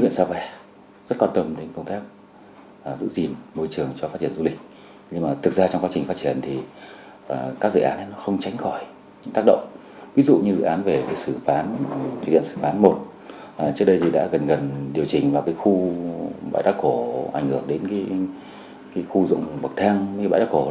vì vậy các công trình thủy điện có thể tránh khỏi những tác động ví dụ như dự án về thủy điện sở văn một trước đây tôi đã gần gần điều chỉnh vào khu bãi đá cổ ảnh hưởng đến khu dụng bậc thang bãi đá cổ